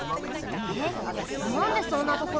えっなんでそんなところから？